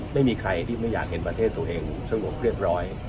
ไม่มีใครที่ไม่อยากเห็นประเทศตัวเองสงบเรียบร้อย